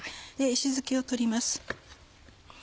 石づきを取ります。